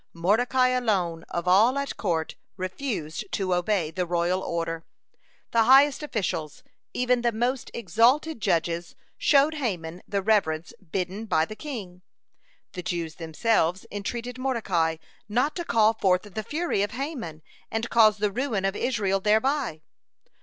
(100) Mordecai alone of all at court refused to obey the royal order. The highest officials, even the most exalted judges, showed Haman the reverence bidden by the king. The Jews themselves entreated Mordecai not to call forth the fury of Haman, and cause the ruin of Israel thereby.